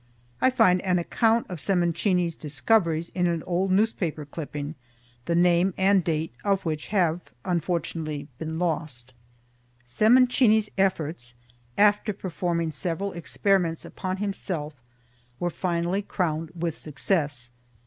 I find an account of Sementini's discoveries in an old newspaper clipping, the name and date of which have unfortunately been lost: Sementini's efforts, after performing several experiments upon himself, were finally crowned with success.